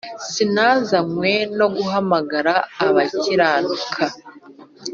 Sinazanywe no guhamagara abakiranuka